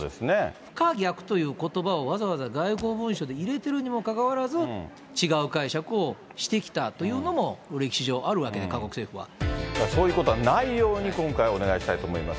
不可逆ということばをわざわざ外交文書で入れてるにもかかわらず、違う解釈をしてきたというのも歴だからそういうことはないように、今回はお願いしたいと思います。